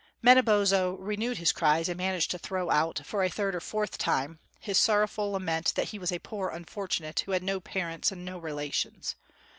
Manabozho renewed his cries and managed to throw out, for a third or fourth time, his sorrowful lament that he was a poor unfortunate, who had no parents and no relations.